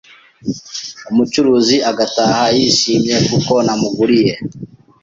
umucuruzi agataha yishimye kuko namuguriye,